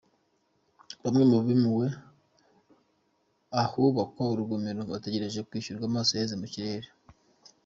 Bamwe mu bimuwe ahubakwa urugomero bategereje kwishyurwa amaso yaheze mu kirere